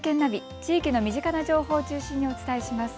地域の身近な情報を中心にお伝えします。